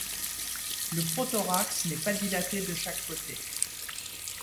Le prothorax n'est pas dilaté de chaque côté.